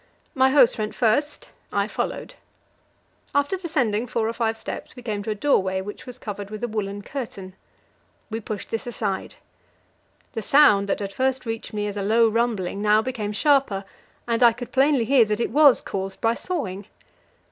My host went first; I followed. After descending four or five steps, we came to a doorway which was covered with a woollen curtain. We pushed this aside. The sound that had first reached me as a low rumbling now became sharper, and I could plainly hear that it was caused by sawing.